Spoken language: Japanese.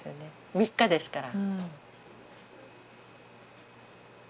３日ですから。